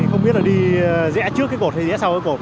không biết là đi rẽ trước cái cột hay rẽ sau cái cột